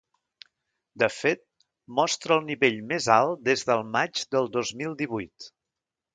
De fet, mostra el nivell més alt des del maig del dos mil divuit.